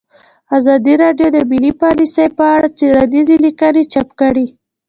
ازادي راډیو د مالي پالیسي په اړه څېړنیزې لیکنې چاپ کړي.